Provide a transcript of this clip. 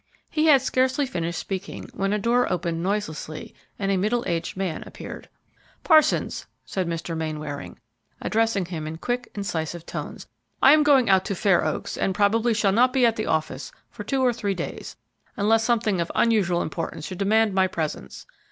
He had scarcely finished speaking, when a door opened noiselessly and a middle aged man appeared. "Parsons," said Mr. Mainwaring, addressing him in quick, incisive tones, "I am going out to Fair Oaks, and probably shall not be at the office for two or three days, unless something of unusual importance should demand my presence.